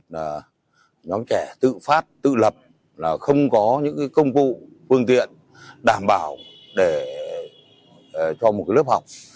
là nhóm trẻ tự phát tự lập là không có những công cụ phương tiện đảm bảo để cho một lớp học